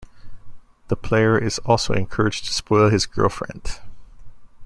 The player is also encouraged to spoil his girlfriend.